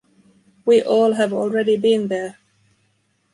We all have already been there.